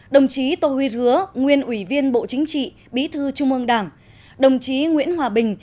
đồng chí tô huy rứa nguyên ủy viên bộ chính trị bí thư trung ương đảng đồng chí nguyễn hòa bình